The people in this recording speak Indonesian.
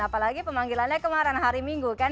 apalagi pemanggilannya kemarin hari minggu kan